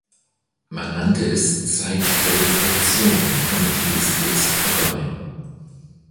Man nannte es "Zeit der Reflexion", und die ist jetzt vorbei.